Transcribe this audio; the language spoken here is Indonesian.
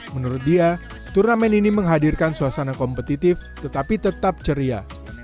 menurut dia turnamen ini menghadirkan suasana kompetitif tetapi tetap ceria